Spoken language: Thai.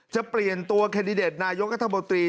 จะเปลี่ยนตัวแคนดิเดตนายกัธมนตรี